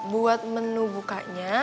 buat menu bukanya